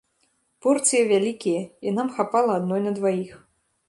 Порцыя вялікія, і нам хапала адной на дваіх.